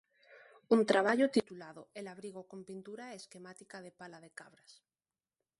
Un traballo, titulado El abrigo con pintura esquemática de Pala de Cabras.